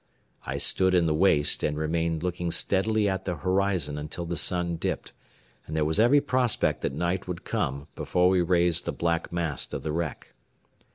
I stood in the waist and remained looking steadily at the horizon until the sun dipped, and there was every prospect that night would come before we raised the black mast of the wreck.